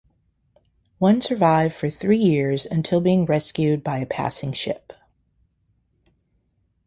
One survived for three years until being rescued by a passing ship.